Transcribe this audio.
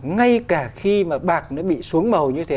ngay cả khi mà bạc nó bị xuống màu như thế